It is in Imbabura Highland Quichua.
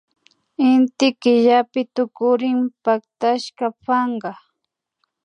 Inty killapi tukurin pactashaka panka